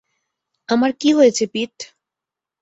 আমার কী হয়েছে, পিট?